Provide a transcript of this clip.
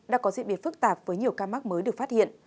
đã có diễn biến phức tạp với nhiều ca mắc mới được phát hiện